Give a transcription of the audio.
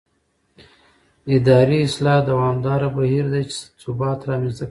اداري اصلاح دوامداره بهیر دی چې ثبات رامنځته کوي